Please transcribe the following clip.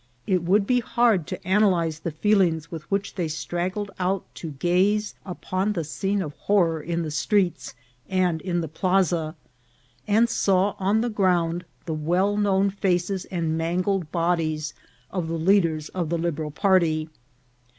It would be hard to analyze the feelings with which they straggled out to gaze upon the scene of horror in the streets and in the plaza, and saw on the ground the well known faces and mangled bodies of the leaders of the Liberal party.